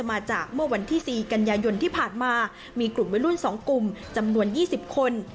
มาจากเมื่อวันที่๔กันยายนที่ผ่านมามีกลุ่มวัยรุ่น๒กลุ่มจำนวน๒๐คน